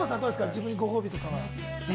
自分にご褒美は。